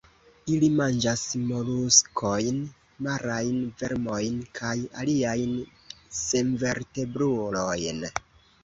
Ili manĝas moluskojn, marajn vermojn kaj aliajn senvertebrulojn.